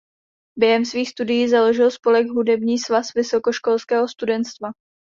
Během svých studií založil spolek Hudební svaz vysokoškolského studentstva.